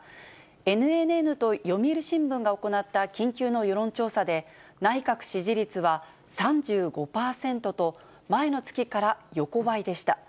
ＮＮＮと読売新聞が行った緊急の世論調査で、内閣支持率は３５％と、前の月から横ばいでした。